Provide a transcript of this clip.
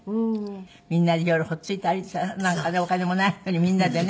みんなで夜ほっついて歩いてさなんかねお金もないのにみんなでね。